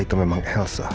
itu memang elsa